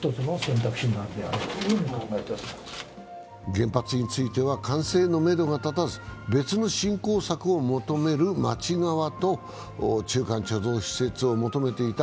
原発については完成のめどが立たず、別の振興策を求める町側と中間貯蔵施設を求めていた